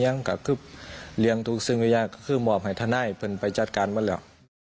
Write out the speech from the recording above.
ยังก็คือเลี้ยงทุกสิ่งอย่างคือหมอบให้ท่าน่ายเป็นไปจัดการเมื่อไหร่